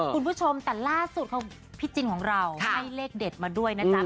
คุณผู้ชมแต่ล่าสุดของพี่จินของเราให้เลขเด็ดมาด้วยนะจ๊ะ